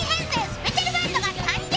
スペシャルバンドが誕生。